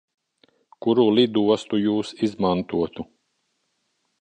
Kuru lidostu Jūs izmantotu?